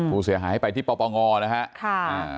ผู้เสียหายไปที่ปปงนะครับ